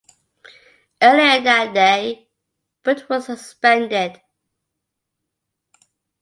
Earlier that day, Boot was suspended.